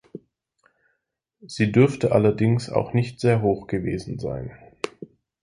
Sie dürfte allerdings auch nicht sehr hoch gewesen sein.